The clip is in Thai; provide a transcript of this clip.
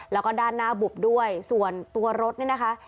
แล้วก็ด้านหน้าบุบด้วยส่วนตัวรถเนี่ยนะคะ